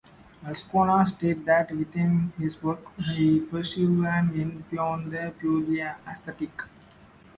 Azcona states that within his works he pursues an end beyond the purely aesthetic.